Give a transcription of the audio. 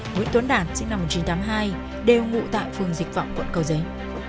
nguyễn tuấn đạt sinh năm một nghìn chín trăm tám mươi hai đều ngụ tại phường dịch vọng quận cầu giấy